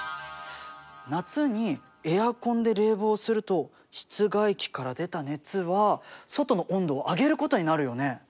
夏にエアコンで冷房すると室外機から出た熱は外の温度を上げることになるよね。